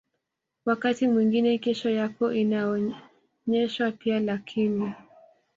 wakati mwingine kesho yako inaonyeshwa pia Lakini